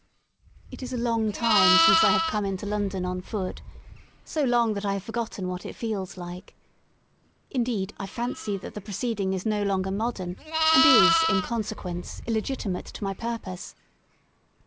It is a long time since I have come into London on foot, so long that I have forgotten what it feels like. Indeed, I fancy that the proceeding is no longer modern, and is in consequence illegitimate to my purpose.